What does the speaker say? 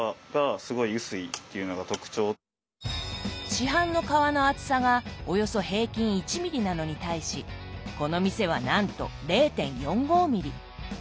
市販の皮の厚さがおよそ平均１ｍｍなのに対しこの店はなんと０．４５ｍｍ。